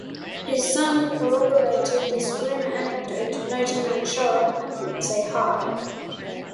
His son corroborated this grim anecdote, noting I'd show up and he's say 'Hi.